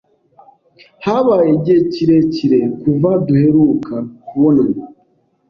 Habaye igihe kirekire kuva duheruka kubonana.